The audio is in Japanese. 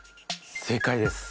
正解です。